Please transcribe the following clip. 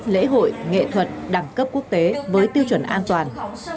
lễ hội nghệ thuật đẳng cấp quốc tế với tiêu chuẩn an toàn